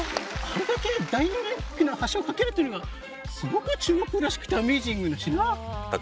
あれだけダイナミックな橋を架けるっていうのがすごく中国らしくてアメージングなっしーな。